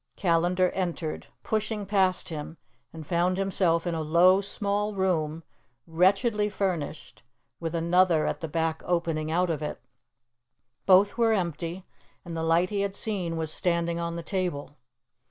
Callandar entered, pushing past him, and found himself in a low, small room, wretchedly furnished, with another at the back opening out of it. Both were empty, and the light he had seen was standing on the table.